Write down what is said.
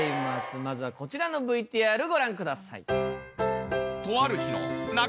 まずはこちらのＶＴＲご覧ください。